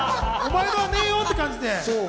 お前のはねえよ！っていう感じで。